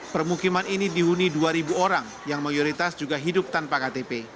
permukiman ini dihuni dua orang yang mayoritas juga hidup tanpa ktp